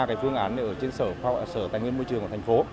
cái phương án ở trên sở tài nguyên môi trường của thành phố